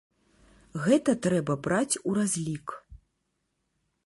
Гэта трэба браць у разлік.